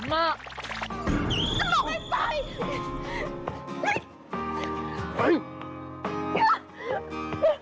กำลังให้ไป